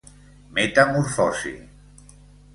Metamorfosi.